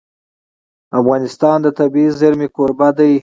افغانستان د طبیعي زیرمې کوربه دی.